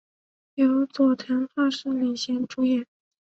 由佐藤浩市领衔主演。